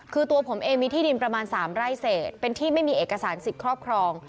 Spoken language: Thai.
คือตัวผมเองมีที่ดินประมาณ๓ไร่เศษเป็นที่ไม่มีเอกสารสิทธิ์ครอบครอง